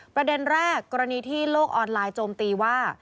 ประเด็นแรกกรณีที่โลกออนไลน์โจมตีว่า